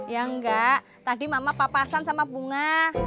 ya enggak tadi mama papasan sama bunga